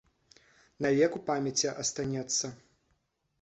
Навек у памяці астанецца.